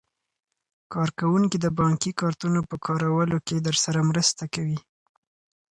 کارکوونکي د بانکي کارتونو په کارولو کې درسره مرسته کوي.